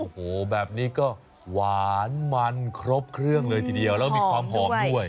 โอ้โหแบบนี้ก็หวานมันครบเครื่องเลยทีเดียวแล้วมีความหอมด้วย